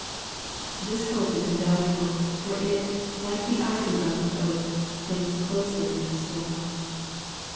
This hope is invaluable; for it, "like the ivy round the oak, Clings closer in the storm."